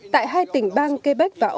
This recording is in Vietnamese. tại hai tỉnh bang quebec và ontario